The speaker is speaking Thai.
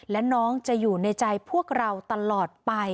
และน้องจะอยู่ในใจพวกเราตลอดไป